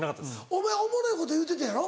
お前おもろいこと言うてたんやろ？